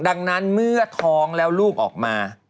ดังนั้นเมื่อท้องแล้วลูกออกมา